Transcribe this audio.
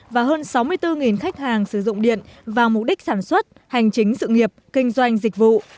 và hơn sáu mươi bốn khách hàng sử dụng điện vào mục đích sản xuất hành chính sự nghiệp kinh doanh dịch vụ